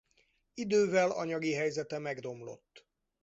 Idővel anyagi helyzete megromlott.